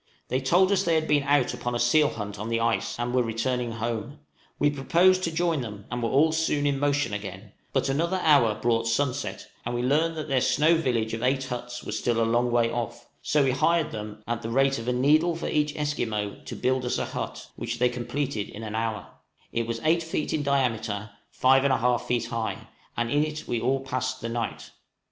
They told us they had been out upon a seal hunt on the ice, and were returning home: we proposed to join them, and all were soon in motion again; but another hour brought sunset, and we learned that their snow village of eight huts was still a long way off, so we hired them, at the rate of a needle for each Esquimaux, to build us a hut, which they completed in an hour; it was 8 feet in diameter, 5 1/2 feet high, and in it we all passed the night.